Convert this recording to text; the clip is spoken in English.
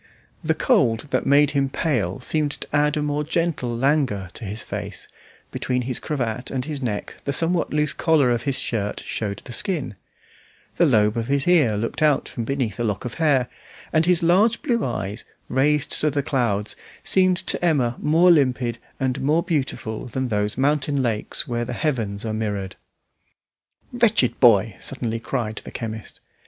The cold that made him pale seemed to add a more gentle languor to his face; between his cravat and his neck the somewhat loose collar of his shirt showed the skin; the lobe of his ear looked out from beneath a lock of hair, and his large blue eyes, raised to the clouds, seemed to Emma more limpid and more beautiful than those mountain lakes where the heavens are mirrored. "Wretched boy!" suddenly cried the chemist.